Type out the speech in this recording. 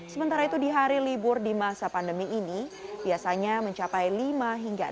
sementara itu di hari libur di masa pandemi ini biasanya mencapai lima hingga enam puluh